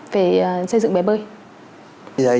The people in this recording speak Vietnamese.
về xây dựng bế bơi